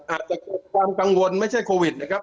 อาจจะเกิดความกังวลไม่ใช่โควิดนะครับ